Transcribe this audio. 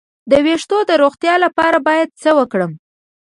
د ویښتو د روغتیا لپاره باید څه وکړم؟